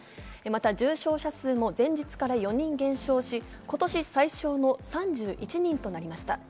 重症者数も前月から４人減少し、今年最少の３１人となりました。